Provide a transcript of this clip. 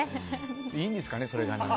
いいんですかね、それが。